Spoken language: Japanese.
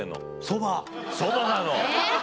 そばなの。